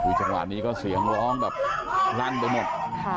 จังหวะนี้ก็เสียงร้องแบบลั่นไปหมด